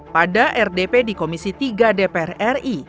pada rdp di komisi tiga dpr ri